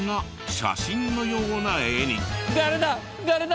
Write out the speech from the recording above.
誰だ？